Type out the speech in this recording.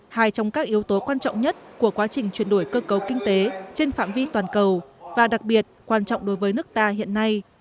hai trong các yếu tố quan trọng nhất của quá trình chuyển đổi cơ cấu kinh tế trên phạm vi toàn cầu và đặc biệt quan trọng đối với nước ta hiện nay